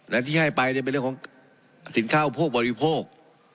และที่ให้ไปเป็นเรื่องของสินเข้าพวกบริโภค